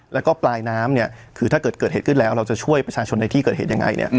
แล้วก็ปลายน้ำเนี่ยคือถ้าเกิดเกิดเหตุขึ้นแล้วเราจะช่วยประชาชนในที่เกิดเหตุยังไง